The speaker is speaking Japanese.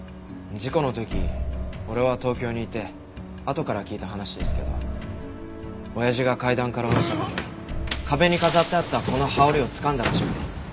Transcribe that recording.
事故の時俺は東京にいてあとから聞いた話ですけど親父が階段から落ちた時壁に飾ってあったこの羽織をつかんだらしくて。